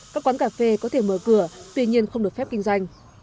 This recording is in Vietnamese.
các quán cà phê có thể mở cửa tuy nhiên không được phép kinh doanh